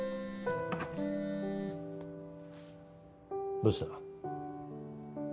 どうした？